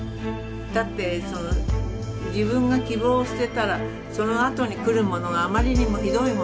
だって自分が希望を捨てたらそのあとに来るものがあまりにもひどいもの